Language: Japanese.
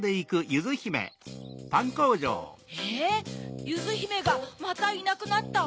ゆずひめがまたいなくなった？